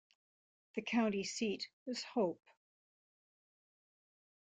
The county seat is Hope.